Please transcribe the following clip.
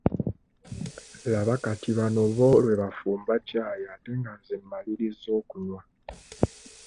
Laba kati bano bo lwe bafumba ccaayi ate nga nze mmalirizza okunywa.